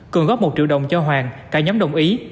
cường góp một triệu đồng cho hoàng cả nhóm đồng ý